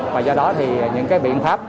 và do đó thì những cái biện pháp